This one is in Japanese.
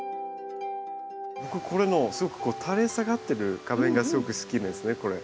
これのすごくたれ下がってる花弁がすごく好きですねこれ。